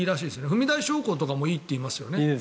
踏み台昇降とかもいいって言いますよね。